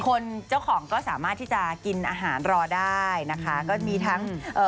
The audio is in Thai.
คนเจ้าของก็สามารถที่จะกินอาหารรอได้นะคะก็มีทั้งเอ่อ